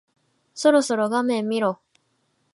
そろそろ画面見ろ。